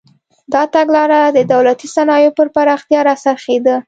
دا تګلاره د دولتي صنایعو پر پراختیا راڅرخېده.